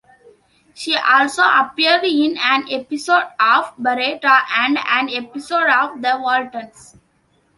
She also appeared in an episode of "Baretta" and an episode of "The Waltons".